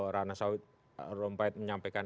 ratna sarumpai menyampaikan